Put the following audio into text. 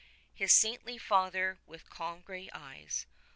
His saintly Father, with calm grey eyes.